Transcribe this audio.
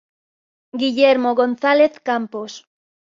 Guillermo González Campos.